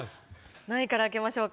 何位から開けましょうか？